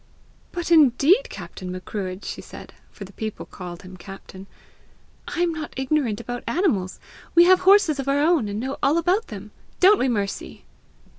"But indeed, Captain Macruadh," she said for the people called him captain, "I am not ignorant about animals! We have horses of our own, and know all about them. Don't we, Mercy?"